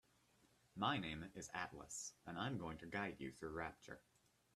My name is Atlas and I'm going to guide you through Rapture.